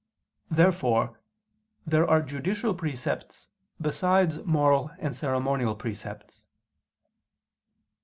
Therefore there are judicial precepts besides moral and ceremonial precepts.